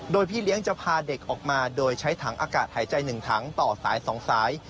โดยพี่เลี้ยงจะพาเด็กออกมาโดยใช้ถังอากาศหายใจ๑ถังต่อสาย๒สาย